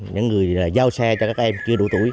những người giao xe cho các em chưa đủ tuổi